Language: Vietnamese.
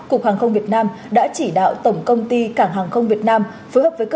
cục hàng không việt nam đã chỉ đạo tổng công ty cảng hàng không việt nam phối hợp với